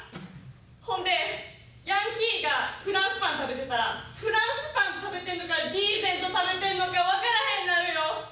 ほんでヤンキーがフランスパン食べてたらフランスパン食べてるのかリーゼント食べてるのかわからへんなるよ。